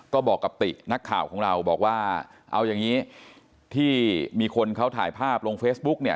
ก็บอกกับตินักข่าวของเราบอกว่าเอาอย่างนี้ที่มีคนเขาถ่ายภาพลงเฟซบุ๊กเนี่ย